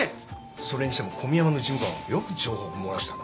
それにしても小宮山の事務官はよく情報漏らしたな。